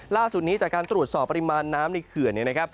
ล่าสุดนี้จากการตรวจสอบปริมาณน้ำในเขื่อน